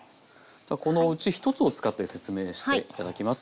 じゃあこのうち１つを使って説明して頂きます。